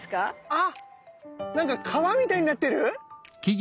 あっなんか川みたいになってる？